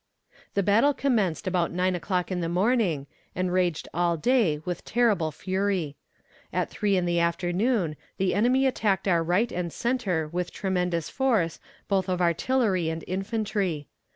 The battle commenced about nine o'clock in the morning, and raged all day with terrible fury. At three in the afternoon the enemy attacked our right and center with tremendous force both of artillery and infantry.